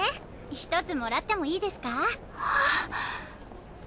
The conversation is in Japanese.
１つもらってもいいですか？